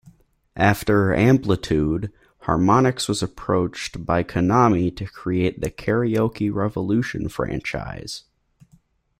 After "Amplitude", Harmonix was approached by Konami to create the "Karaoke Revolution" franchise.